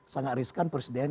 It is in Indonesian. sangat riskan presiden